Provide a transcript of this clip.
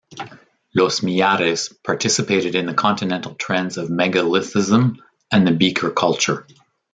Los Millares participated in the continental trends of Megalithism and the Beaker culture.